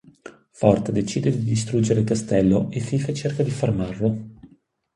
Forte decide di distruggere il castello e Fife cerca di fermarlo.